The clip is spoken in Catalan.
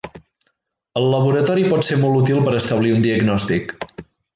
El laboratori pot ser molt útil per establir un diagnòstic.